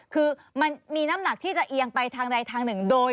คือมันมีน้ำหนักที่จะเอียงไปทางใดทางหนึ่งโดย